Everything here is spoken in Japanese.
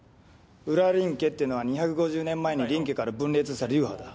裏林家ってのは２５０年前に林家から分裂した流派だ。